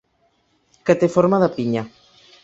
Que té forma de pinya.